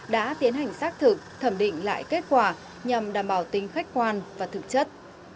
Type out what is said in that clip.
đã tiến hành xác thực thẩm định lại kết quả nhằm đảm bảo tính khách quan và thực chất